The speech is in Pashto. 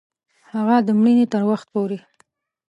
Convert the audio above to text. هغه د مړینې تر وخت پوري